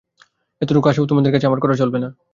এতটুকু আশাও তোদের কাছে আমার করা চলবে না?